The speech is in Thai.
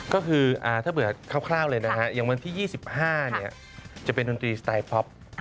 ก็คือถ้าเบื่อคร่าวเลยนะฮะอย่างวันที่๒๕จะเป็นดนตรีสไตล์ป๊อป